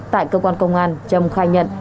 tại cơ quan công an trâm khai nhận